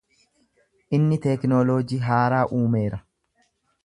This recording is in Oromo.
Inni tekinooloojii haaraa uumeera.